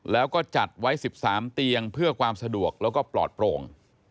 แล้วก็จัดไว้๑๓เตียงเพื่อความสะดวกแล้วก็ปลอดโปร่ง